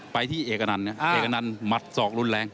ไปที่เอกอนันต์เอกอนันต์หมัดศอกรุนแรง